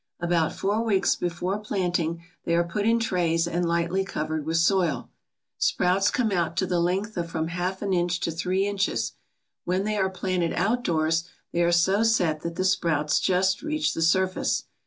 About four weeks before planting they are put in trays and lightly covered with soil. Sprouts come out 150 HOMESTEADING UNDER THE ARCTIC CIRCLE to the length of from a half inch to three inches. When they are planted outdoors they are so set that the sprouts just reach the surface.